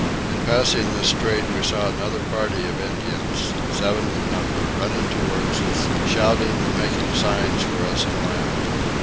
In passing this strait we saw another party of Indians, seven in number, running towards us, shouting and making signs for us to land.